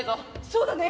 そうだね！